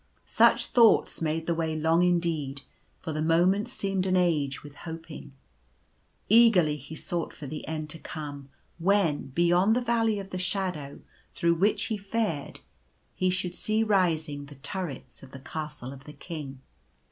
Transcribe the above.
Such thoughts made the way long indeed, for the moments seemed an age with hoping. Eagerly he sought for the end to come, when, beyond the Valley of the Shadow through which he fared, he should see rising the turrets of the Castle of the King.